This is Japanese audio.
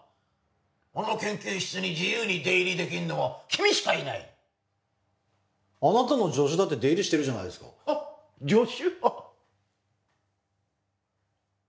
あの研究室に自由に出入りできんのは君しかいないあなたの助手だって出入りしてるじゃないですかあ助手？